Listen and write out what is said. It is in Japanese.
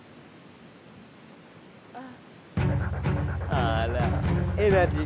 あらエナジー